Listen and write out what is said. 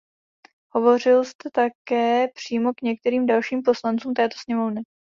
Hovořil jste také přímo k některým dalším poslancům této sněmovny.